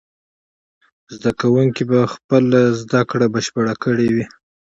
زده کوونکي به خپله زده کړه بشپړه کړې وي.